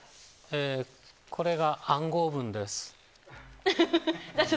これが暗号文です。